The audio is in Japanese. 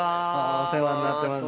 お世話になってます。